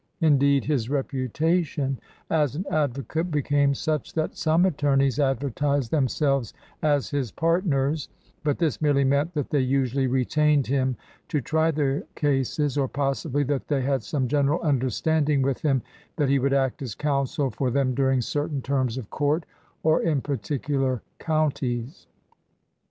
Indeed, his reputation as an advocate became such that some attorneys advertised themselves as his part ners ; but this merely meant that they usually re tained him to try their cases, or possibly that they had some general understanding with him that he would act as counsel for them during certain terms of court or in particular counties.